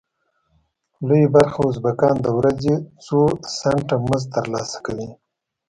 لویه برخه ازبکان د ورځې څو سنټه مزد تر لاسه کوي.